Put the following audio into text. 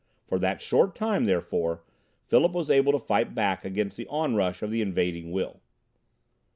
For that short time, therefore, Philip was able to fight back against the onrush of the invading will.